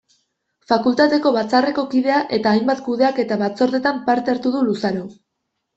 Fakultateko Batzarreko kidea eta hainbat kudeaketa-batzordetan parte hartu du luzaro.